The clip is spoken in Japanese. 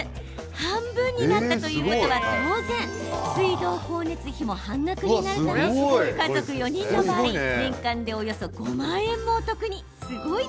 半分になったということは、当然水道光熱費も半額になるため家族４人の場合年間でおよそ５万円もお得に。